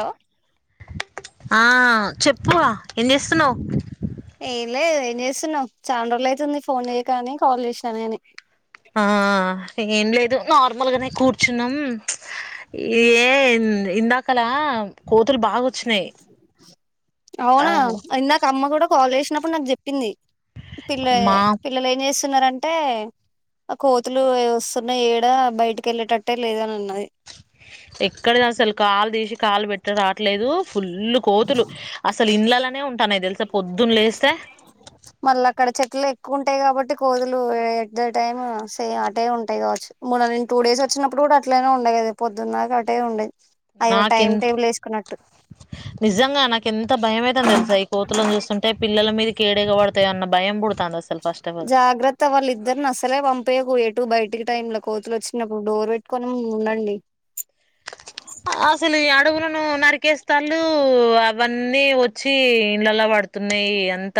Hello ఆ చెప్పు ఏం చేస్తున్నావ్ ఏంలేదు ఏం చేస్తున్నావ్ చాన్రోజువుతుంది ఫోన్ చెయ్యకని కాల్ చేసాను కాని. ఆ ఏం లేదు నార్మల్గానే కూర్చున్నాం ఏ ఇందాకలా కోతులు బాగా వచ్చినాయి ఆ అవునా ఇందాక అమ్మ కూడా కాల్ చేసి ఉన్నప్పుడు నాకు చెప్పింది పిల్ల మా పిల్లలేం చేస్త్ చున్నారంటే ఆ కోతులు ఏ వస్తున్నా ఏడా బయటకి ఎల్లేటట్టే లేదని అన్నారు. ఎక్కడ దసలు కాల్ దీశె కాల్ వెట్టి రాట్లేదు ఫుల్లు కోతులు అసలు ఇండ్లలోనే ఉంటాన్నాయి తెలుస. పొద్దున్ లేస్తే మళ్ళీ అక్కడ చెట్లు ఎక్కువ ఉంటాయి కాబట్టి కోతులు ఎట్ ఎ టైము సేమ్ అటే ఉంటాయి కావచ్చు. మొన్న నేను టూ డేస్ వచ్చినప్పుడు కూడా అట్లనే ఉండాయి. కదా పొద్దున దాకా అటే ఉన్నాయి. నాకెన్ నిజంగా నాకు ఎంత భయంమయితాంది తెలుసా. ఈ కోతులను చూస్తుంటే పిల్లల మీద కేడెగవడ జాగ్రత్త వాళ్ళిద్దరినీ అసలే పంపియకు ఇటు బయటికి టైమ్ లో కోతులు వచ్చినప్పుడు డోర్ పెట్టుకొని ఉండండి. అసలు ఈ అడవులను నరికేస్తళ్ళు అవన్నీ వచ్చి ఇండ్లలా పడుతున్నాయి ఎంత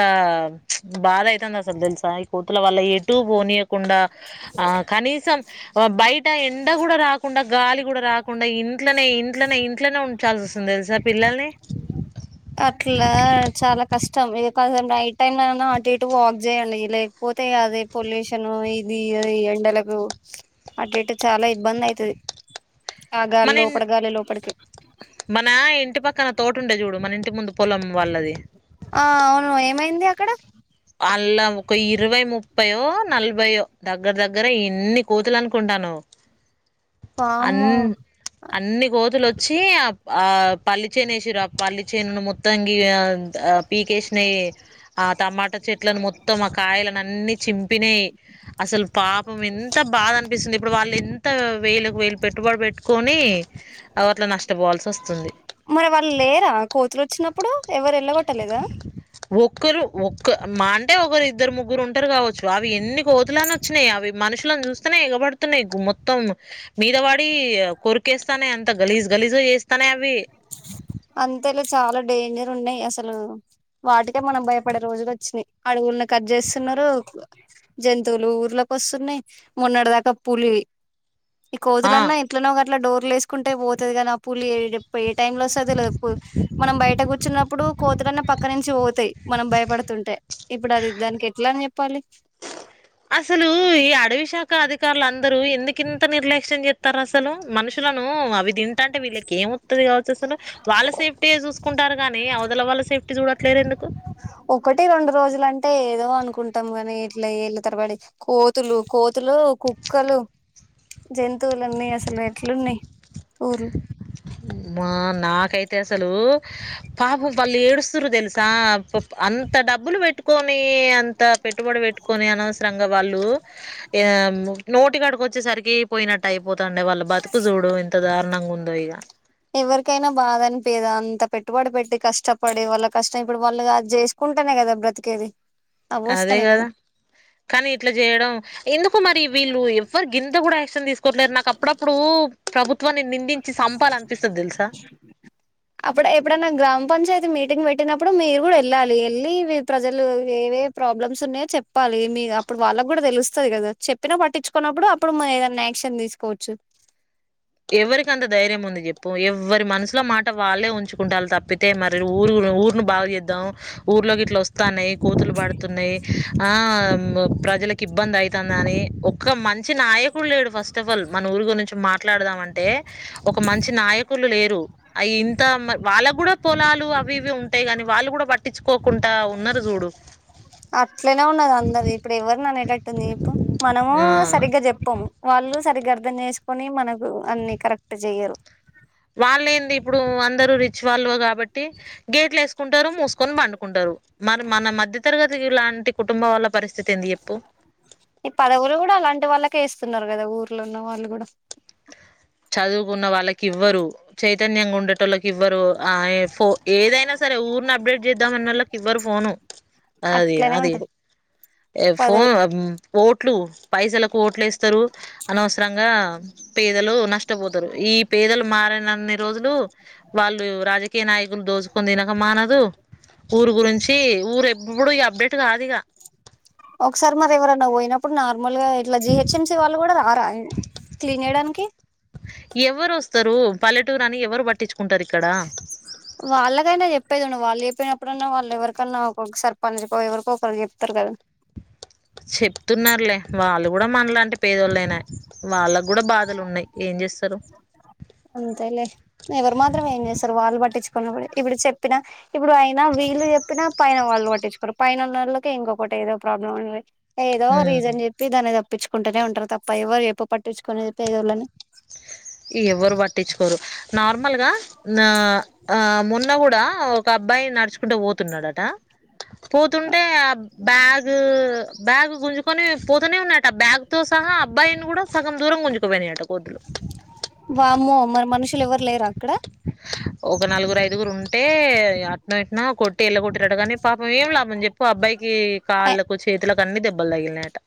బాధ అయి ఇ సద్దన సయి [inaudible] అల వల్ల ఎటుూ పోనీయకుండా ఆ కనీసం ఆ బయట ఎండ కూడా రాకుండా గాలి కూడా రాకు కాకుండా ఇంట్లోనే ఇంట్లోనే ఇంట్లోనే ఉంచాల్సి వస్తుంది తెలుసా పిల్లల్ని సగం రైట్ టైమ్ లోయినా అటు ఇటు వాక్ చేయండి లేకపోతే అది పొల్యూషన్ ఇది ఎండలకు అటు ఇటు చాలా ఇబ్బంది అయితది ఆ గాలి మన ఇ లోపల గాలి లోపలికి మన ఇంటి పక్కన తోటుండే చూడు మన ఇ ముందు పొలం వాళ్ళది ఆ అవును ఏమైంది అక్కడ అళ్ళ ఒక ఇరవై ముప్పైయో నలభైయో దగ్గర దగ్గర ఇన్ని కోతులు అనుకుంటాన్నావ్ వామ్మో అన్ని కోతులోచ్చి ఆ ఆ పల్లి చేను వేసిన్రు ఆ పల్లి చేను మొత్తంగ పీకేసినాయి ఆ టమాటా చెట్లను మొత్తం ఆ కాయలనన్నీ చింపినాయి అసలు పాపం ఎంత బాధ అనిపిస్తుంది ఇప్పుడు వాళ్ళు ఇంతగ వేలుకి వేలు పెట్టుబడి పెట్టుకొని అ అట్ల నష్టపోవాల్సి వస్తుంది మరి వాళ్ళు లేరా కోతులు వచ్చినప్పుడు ఎవరు వెళ్ళగొట్టలేదా ఒక్కరు ఒక్క మా అంటే ఒకరు ఇద్దరు ముగ్గురు ఉంటారు కావచ్చు అవి ఎన్ని కోతులన్న వచ్చినాయి అవి మనుషులను చూస్తేనే ఎగబడుతున్నాయి మొత్తం మీదపడి కొరికేస్తానై అంత గలీజు గలీజుగా చేస్తానాయి అవి అంతేలే చాలా డేంజర్ ఉన్నాయి అసలు వాటికే మనం భయపడే రోజులు వచ్చినాయి అడవుల్ని కట్ చేస్తున్నారు జంతువులు ఊర్లోకి వస్తున్నాయి మొన్నటి దాకా పూలి ఈ ఆ కోతులన్నా ఎట్లోనో అట్లా ఇట్లా డోర్లసుకుంటే పోతది కదా ఆ పూలే ఏ టైమ్ లో వస్తదో చప్పుమనం బయట కూర్చున్నప్పుడు కోతులన్న పక్క నుంచి పోతాయి మనం భయపడుతుంటే ఇప్పుడు అది దానికి ఎట్లా అని చెప్ -ప్పాలి అసలు ఈ అడవి శాఖ అధికారుల అందరూ ఎందుకింత నిర్లే [unintelligible] స్తారు అసలు మనుషులను అవి తింటంటే వీళ్ళకి ఏమొత్తాది కావచ్చు అసలు వాళ్ళ సేఫ్టీ యే చూసుకుంటారు కాని అవతల వాళ్ళ సేఫ్టీ చూడట్లేరెందుకు టే ఏదో అనుకుంటాం కానీ ఇట్ల ఏళ్ళ తరబడి కోతులు కోతులు కుక్కలు జంతువులన్నీ అసలు ఎట్లున్నాయి ఊర్లు మా నాకైతే అసలు పాపం వాళ్ళు ఏడుస్తుర్రు తెలుసా ప అంత డబ్బులు పెట్టుకొని అంత పెట్టుబడి పెట్టుకొని అనవసరంగా వాళ్ళు య నోటికాడుకు వచ్చే సరికి పోయినట్టు అయిపోతుండాయ్ వాళ్ళ బతుకు చూడు ఇంత దారుణంగుందో ఇగ ఎవరికైనా బాధ అనిపియదా అంత పెట్టుబడి పెట్టి కష్టపడి వాళ్ళ కష్టం ఇప్పుడు వాళ్ళు అది చేసుకుంటేనే కదా బ్రతికేది అవి అదే వస్తానే కదా కానీ ఇట్లా చేయడం ఇందు మరి వీళ్ళు ఎవ్వరి గింద కూడా తీసుకోట్లేదు నాకు అప్పుడప్పుడు ప్రభుత్వ అప్పుడు ఎప్పుడైన గ్రామ పంచాయితీ మీ నీకు వెయిటింగ్ అప్పుడు మీరు కూడా ఎళ్ళాలి ఎళ్ళి ప్రజలు ఏవేవి ప్రాబ్లమ్స్ ఉన్నాయో చెప్పాలి మీ అప్పుడు వాళ్ళకు కూడా తెలుస్తది కదా చెప్పిన పట్టించుకోన్నప్పుడు అప్పుడు మరేదన్నా యాక్షన్ తీసుకోవచ్చు. ఎవరికంత ధైర్యం ఉంది చెప్పు ఎవ్ ఎవ్వరి మనసులో మాట వాళ్ళే ఉంచుకుంటాలు తప్పితే మరి ఊరు ఊరును బాగు చేద్దాం ఊర్లోకి ఇట్లా వస్త తాన్నాయ్ కోతులు పడుతున్నాయి ఆ మ్ ప్రజలకు ఇబ్బంది అయి తనని ఒక్క మంత్ చి నాయకుడు లేడు ఫస్ట్ ఆఫ్ ఆల్ మన ఊరు గురించి మా దామ అంటే ఒక మంచి నాయకులు లేరు అ ఇంత మ వాళ్ళకు కూడా పొలాలు అవి ఇవి ఉంటాయి కాని వాళ్ళు కూడా పట్టించుకోకుండా ఉన్నారు చూడు అట్లనే ఉన్నది అందరు ఇప్పుడు ఎవరిని అనేటట్టుంది జెప్పు మనము ఆ సరిగ్గా చెప్పము వాళ్ళు సరిగ్ గర్థం చేసుకొని మన అన్నీ కరెక్ట్ జెయ్యరు వాళ్ళ ఏంది ఇప్పుడు అందరూ రి వాళ్లవి కాబట్టి గేట్లే కుంటారు మూసుకొని బండుకుంటారు మరి మన మధ్య తరగత్ ఇలాంటి కుటుంబం వల్ల ఈ పదవులు కూడా అలాంటి వాళ్ళక్ కేస్తున్నారు కదా ఊర్లో ఉన్న వాళ్ళు కూడా చదువుకున్న వాళ్ళకి ఇవ్వరు చైతన్యంగా ఉండేటోళ్ళకి ఇవ్వరు ఆ ఎ పో ఏదైనా సరే ఊరిని అప్డేట్ చేద్దామన్నాళ్ళకి ఇవ్వరు ఫోను అది అట్లనే అది ఉంటది ఏ ఫోన్ పదవి ఓట్లు పైసలకు ఓట్లు వేస్తారు అనవసరంగా పేదలు నష్టపోతారు. ఈ పేదలు మారనన్ని రోజులు వాళ్ళు రాజకీ కే నాయకులు దోచుకొని తినక మానదు ఊరు గురించి ఊరు ఎప్పుడు ఇగ అప్డేట్ గాదిక ఒకసారి మరి ఎవరైన్నా పోయినప్పుడు నా నార్మల్గా ఇట్లా జీహెచ్ఎంసి వాళ్ళు కూడా రారా క్లీన్ చేయడానికి ఎవ్వరు వస్తారు పల్లెటూరు అని ఎవరు పట్టించుకుంటారు ఇక్కడ వాళ్ళకైనా చెప్పేది ఉండు వాళ్ళు ఎప్పియినప్పుడన్నా వాళ్ళు ఎవరికన్నా ఒక్కొక్కసారి సర్పంచ్ కో ఎవరికొ ఒకరు చెప్తారు కదా చెప్తున్నారులే వాళ్ళు కూడా మనలాంటి పేదోళ్ళయినాయి వాళ్ళకి కూడా బాధలు ఉన్నాయి ఏం చేస్తారు అంతేలే ఎవరు మాత్రం ఏం చేస్తారు వాళ్ళు పట్టిచ్చు [inaudible] ఇప్పుడు చెప్పినా ఇప్పుడు అయినా వీళ్ళు చెప్పినా పైన వాళ్ళు పట్టించుకోరు పైనున్నోళ్లకే ఇంకొకటి ఏదో ప్రాబ్లం ఉంది ఏదో రీజన్ చెప్పి దానే తప్ ప్పించుకుంటూనే ఉంటారు తప్ప ఎవరు ఎప్పు పట్టించుకొని చెప్పు పేదోళ్ళని ఎవరు పట్టించుకోరు నార్మల్గా నా అ మొన్న గూ [unintelligible] ఒక అబ్బాయి నడుచుకుంటా పోతున్నాడు ట పోతుంటే బ్యాగ్ బ్యాగ్ గుంజు పోనే పోతానే ఉన్నాట బ్యాగ్ తోస్ సహా అబ్బాయిని కూడా సగం దూరం గుంజుకుపోయిని అట కోతులు వామ్మో మరి మనుషులెవరు లేరా అక్కడ ఒక నలుగురు ఐదుగురు ఉంటే అట్నో ఇట్నో కొ ట్టేళ కొట్టిరాట కాని పాపం ఏం లాభం చెప్పు అబ్బాయికి కాళ్ళకు చేతులకు అన్నీ దెబ్బల్ తగిలినాయట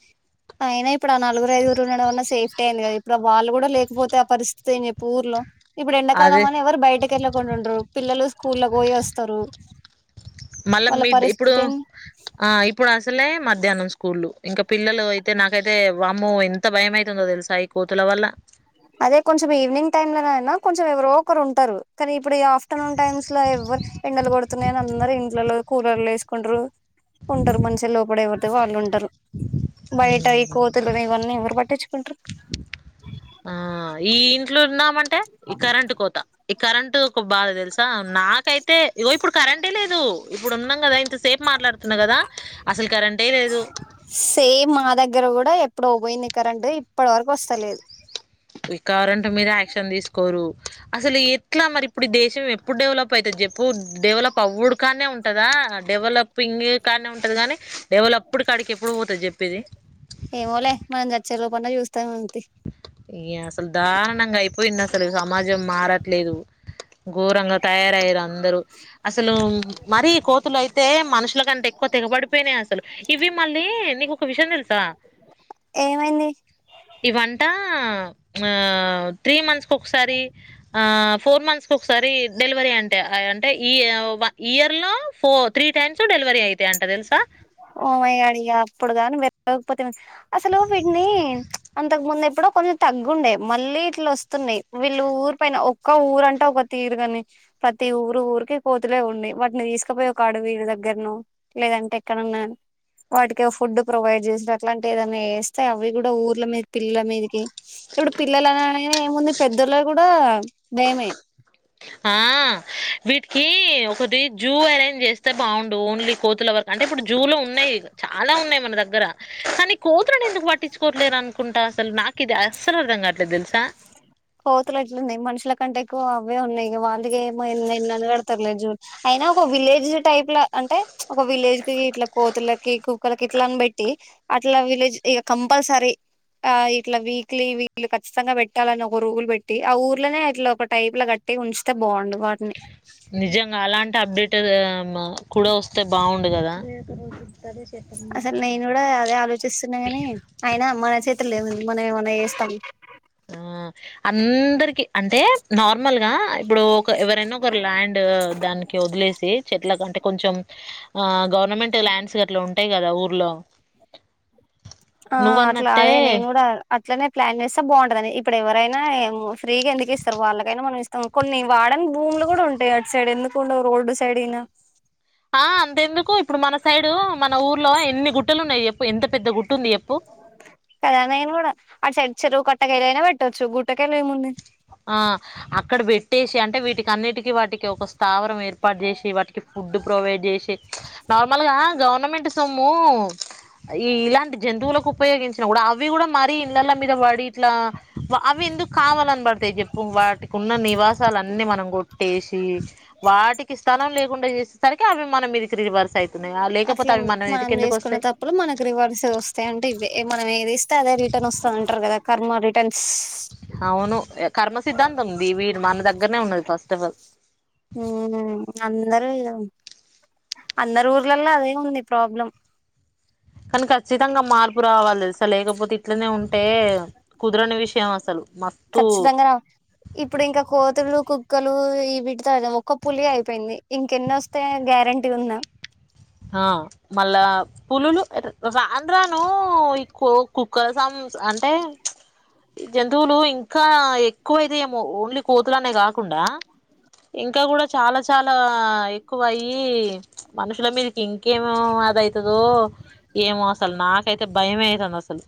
అయినా ఇప్పుడు ఆ నలుగురు ఐదుగురు ఉన్నడంవన్న సేఫ్టీ అయింది కదా ఇప్పుడు వాళ్ళు కూడా లేకపోతే ఆ పరిస్థితి ఏం చెప్పు ఊర్లో ఇప్పుడు ఎండాకాలం అదే అని ఎవరు బయటకి ఎళ్ళకుండుండ్రు పిల్లలు స్కూలగ్ బోయోస్తరు. మళ్ళా మిడ్ ఇప్పుడు ఏంది ఆ ఇప్పుడు అసలే మధ్యాహ్నం స్కూల్లు ఇంకా పిల్లలు అయితే నాకైతే వామ్మో ఎంత భయమైతుందో తెలుసా ఈ కోతుల వల్ల అదే కొంచెం ఈవినింగ్ టైమ్ లో నైనా కొంచెం ఎవరో ఒకరు ఉంటరు కనీ ఇప్పుడు ఈ ఆఫ్టర్నూన్ టైమ్స్ లో ఎవ్వరు ఎండలు కొడుతున్నాయని అందరు ఇంట్లో కూలర్లేసుకుంటరు. ఉంటరు మనుషిల్లో లోపడ ఎవ తే వాళ్ళుంటరు బయట ఈ కోతులని ఇవన్నీ ఎవరు పట్టించుకుంట్రు. ఆ ఈ ఇంట్లో ఉన్నామన్ టె ఈ కరెంటు కోత కరెంట్ ఒక బాగా తెలుసు త నాకైతే ఈగో ఇప్పుడు కరెంటే లేదు ఇప్పుడు ఉన్నాం కదా ఇంత సేపు మాట్లాడుతున్నా కదా అసలు కరెంటే లేదు సేమ్ మా దగ్గర కూడా ఎప్పుడో పోయింది కరెంటు ఇప్పటి వరకొస్తలేద్ ఈ కరెంటు మీద యాక్షన్ తీసుకోరు అసలు ఎట్లా మరి ఇప్పుడు ఈ దేశం ఎప్పుడు డెవలప్ అయితది చెప్పు డెవలప్ అవ్వడు కానే ఉంటదా డెవలప్ పింగ్ కాన్నే ఉంటది కాని డెవలప్డ్ కాడికి ఎప్పుడు పోతది చెప్పు [unintelligible] ఏమోలే మనం జచ్చే లోపు అన్న చూస్తాము యస్ దారుణంగా అయిపోయింది అసలు సమాజం మారట్లేదు గోరంగా తయారు అయ్యారు అందరు అసలు మరి కోతులు అయితే మనుషులుకన్నా ఎక్కువ తెగపడిపోయినయ్ అసలు ఇవి మళ్ళీ నీకు ఒక విషయం తెలుసా ఏమైంది ఇవంటా ఆ త్రీ మంత్స్ కు ఒకసారి ఆ ఫోర్ మంత్స్ కు ఒకసారి డెలివరీ అంటే అంటే ఇయర్ లో పో త్రి టైమ్స్ డెలివరీ ఐతాయ్అంట ఓమయగాడి ఇగ అప్పుడు గాని లేకపోతే అసలు వీటిని అంతకు ముందు ఎప్పుడో కొంచెం తగ్గుండే మళ్ళీ ఇట్లు వస్తున్నాయి వీళ్ళు ఊరి పైన ఒక్క ఊరుంటే ఒక తీరు కాని ప్రతి ఊరు ఊరికి కోతులే ఉండి వాటిని తీసుకుపోయి ఒక అడవి దగ్గరను లేదంటే ఎక్కడన్నా వాటికి ఫుడ్ ప్రొవైడ్ చేసారు అట్లాంటి ఏదన్నా చేస్తే అవి కూడా ఊర్ల మీద పిల్లల మీదకి ఇప్పుడు పిల్లలు అనగానే ఏముంది పెద్దలకు కూడా భయమే ఆ వీటికి ఒకటి జూ అరేంజ్ చేస్తే బాగుండు ఓన్లీ కోతుల వరకు అంటే ఇప్పుడు జూలు ఉన్నాయి చాలా ఉన్నాయి మన దగ్గర కానీ కోతులను ఎందుకు పట్టించుకోవట్లేదు అనుకుంటా అసలు నాకు ఇది అస్సలు అర్థం కావట్లేదు తెలుసా కోతులు అట్లున్నాయి మనుషుల కంటే ఎక్కువ అవే ఉన్నాయిక వాళ్ళకి ఏమ అనగడతారులే జూ అయినా ఒక విలేజ్ టైప్ లో అంటే ఒక విలేజ్ కి ఇట్లా కోతులకి కుక్కలకి ఇట్లని పెట్టి అట్లా విలేజ్ ఇక కంపల్సరీ ఆ ఇట్లా వీక్లీ వీళ్ళు ఖచ్చితంగా పెట్టాలని ఒకరుుగులు పెట్టి ఆ ఊర్లోనే అట్లా ఒక టైప్ లా కట్టి ఉంచితే బాగుండు వాటిని క అప్డేట్ కూడా వస్తే బాగుండు కదా అసలు నేను కూడా అదే ఆలోచిస్తున్నా గాని అయినా మన చేతిలో ఎం ఉంది మనం ఏమన్నాచేస్తామ సరే ఆ అందరికి అంటే నార్మల్గా ఇప్పుడు ఒక ఎవరైనా ఒకరు ల్యాండ్ దానికి వదిలేసి చెట్ల కంటే కొంచెం ఆ గౌ- ముమెంట్స్ ల్యాండ్స్ గట్లాంటాయి కదా ఊర్లో ఆ అట్లా నువ్వన్నట్టే అదే నేను కూడా అట్లనే ప్లాన్ చేస్తా బాగుంటుందాని ఇప్పుడు ఎవరైనా ఫ్రీగా ఎందుకు ఇస్తారు వాళ్ళకైనా మనం ఇస్తాం కొన్ని వాడని భూములు కూడా ఉంటాయి అటు సైడ్ ఎందుకు ఉండవు రోడ్డు సైడ్ అయినా ఆ అంతెందుకు ఇప్పుడు మన సైడ్ [unintelligible] మన ఊర్లో ఎన్ని గుట్టలు ఉన్నాయి చెప్పు ఎంత పెద్ద గుట్ట ఉంది చెప్పు కదా నేనుకూడా అటు సైడ్ కొట్టగాలుైనా పెట్టొచ్చు గుూట్టకలా ఏము ఉంది ఆ అక్కడ పెట్టేసి అంటే వీటికి అన్నిటికీ వాటికి ఒక స్థావరం ఏర్పాటు చేసి వాటి ఫుడ్ ప్రొవైడ్ చేసి నార్మల్ గా గవర్నమెంట్ మొత్తము ఈ ఇలాంటి జంతువులకు ఉపయోగించ అవి కూడా మరీ ఇళ్లల మీద పడి ఇట్లా అవి ఎందుకు కావాలనిబడుయ చెప్పు చెప్పు వాటికి ఉన్న నివాసాలన్నిీ మనం కొట్టేసి వాటికి స్టా లేకుండా చేసేసరికి అవి మన మీదకి రివర్స్ అయితున్నాయి అట్లంది మనం చేసుకున్న తప్పులు మనకి రివర్స్ వస్తాయి అంటే ఇవే మనమే అద్ అదే రిటన్ వస్తుంది అంటారు కదా కర్మ రిటర్న్స్ అవును కర్మ సిద్ధాంతం ఉంది వీడు మన దగ్గరనే ఉన్నది ఫస్ట్ ఆఫ్ ఆల్ ఉమ్ అందరు అందరు ఊర్లలో అదే ఉంది ప్రాబ్లం కానీ ఖచ్చితంగా మార్పు రావాలి తెలుసా లేకపోతే అట్లనే ఉంటే కుదరని విషయం అసలు మస్తు ఖచ్చితంగా ముక్కలు ఈ వీటితో అం ఒక్క పులి అయిపోయింది ఇంకెన్న వస్తే గ్యారంటీ ఉంద ఆ మళ్ళా పులులు రాను రాను ఈ కో కు గాసామ్స్ అంటే జంతువులు ఇంకా ఎక్కువయితే ఏమో ఓన్లీ కోతులనే కాదు కాకుండా ఇంకా గూడా చాలా చాలా ఎక్కువ అయ్యి మనుషుల మీద ఇంకేమోదయితదో ఏమో అసలు నాకైతే బయమతండి అసలు